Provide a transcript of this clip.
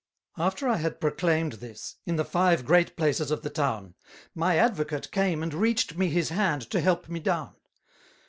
_ After I had Proclaimed this, in the five great places of the Town, my Advocate came and reached me his Hand to help me down.